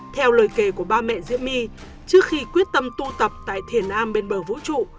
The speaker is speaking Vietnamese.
theo lời kể của ba mẹ diễm my trước khi quyết tâm tụ tập tại thiền a bên bờ vũ trụ